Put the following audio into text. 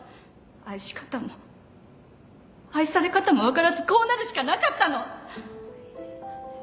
愛し方も愛され方も分からずこうなるしかなかったの！